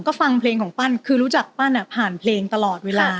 ก็ฟังเพลงของปั้นคือรู้จักปั้นผ่านเพลงตลอดเวลา